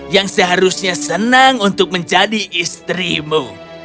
yang seharusnya senang untuk menjadi istrimu